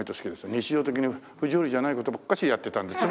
日常的に不条理じゃない事ばっかしやってたんで。